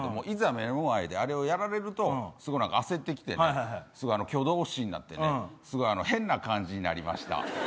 目の前であれをやられるとすごい焦ってきて挙動不審になってすごい変な感じになりました。